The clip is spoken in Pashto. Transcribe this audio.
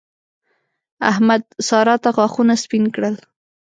احمد؛ سارا ته غاښونه سپين کړل.